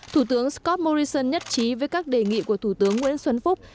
thủ tướng scott morrison nhất trí với các đề nghị của thủ tướng nguyễn xuân phúc